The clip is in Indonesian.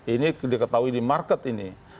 ini diketahui di market ini